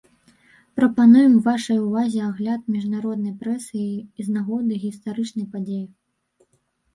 Прапануем вашай увазе агляд міжнароднай прэсы з нагоды гістарычнай падзеі.